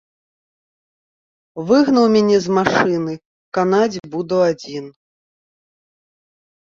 Выгнаў мяне з машыны, канаць буду адзін.